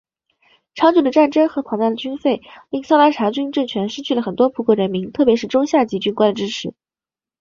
长久的战争和庞大的军费令萨拉查军政权失去了很多葡国人民特别是中下级军官的支持。